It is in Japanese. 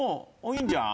いいんじゃん？